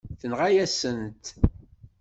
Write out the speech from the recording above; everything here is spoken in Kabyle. Tenɣa-yasent-t.